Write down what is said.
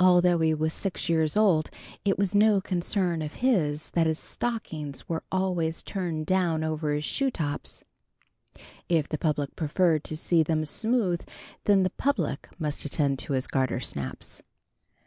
Although he was six years old it was no concern of his that his stockings were always turning down over his shoe tops. If the public preferred to see them smooth then the public must attend to his gartersnaps.